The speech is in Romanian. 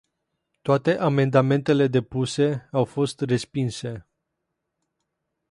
Toate amendamentele depuse au fost respinse.